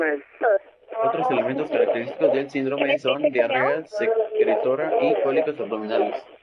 Otros elementos característicos del síndrome son diarrea secretora y cólicos abdominales.